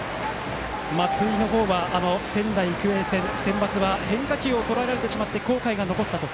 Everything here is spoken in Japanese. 松井は仙台育英戦でセンバツは変化球をとらえられてしまって後悔が残ったと。